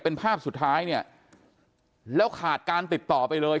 เป็นภาพสุดท้ายเนี่ยแล้วขาดการติดต่อไปเลย